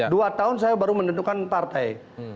dua tahun saya baru menentukan partai